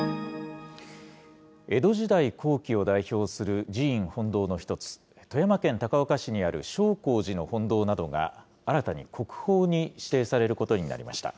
江戸時代後期を代表する寺院本堂の一つ、富山県高岡市にある勝興寺の本堂などが、新たに国宝に指定されることになりました。